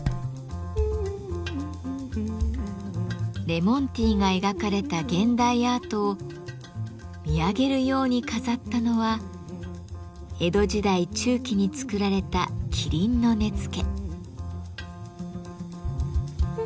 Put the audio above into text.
レモンティーが描かれた現代アートを見上げるように飾ったのは江戸時代中期に作られた麒麟の根付。